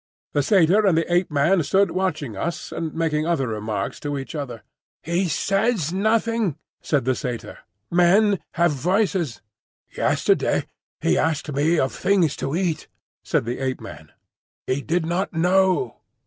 The Satyr and the Ape man stood watching us and making other remarks to each other. "He says nothing," said the Satyr. "Men have voices." "Yesterday he asked me of things to eat," said the Ape man. "He did not know."